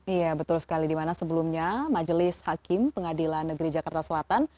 iya betul sekali dimana sebelumnya majelis hakim pengadilan negeri jakarta selatan